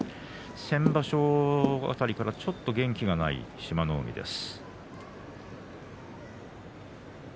先場所辺りからちょっと元気がない志摩ノ海です。